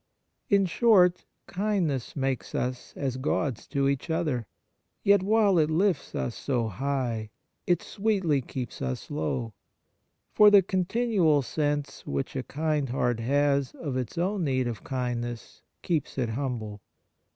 In short, kindness makes us as Gods to each other. Yet while it lifts us so high, it sweetly keeps us low. For the continual sense which a kind heart has of its own need of kindness keeps it humble.